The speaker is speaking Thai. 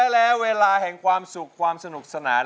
และเวลาแห่งความสุขความสนุกสนาน